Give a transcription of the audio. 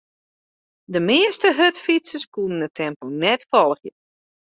De measte hurdfytsers koene it tempo net folgje.